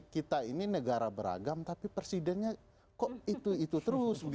kita ini negara beragam tapi presidennya kok itu itu terus